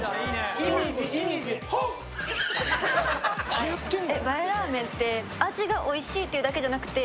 はやってんの？